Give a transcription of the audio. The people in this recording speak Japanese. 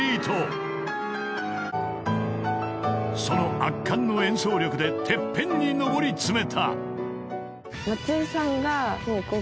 ［その圧巻の演奏力でＴＥＰＰＥＮに上り詰めた］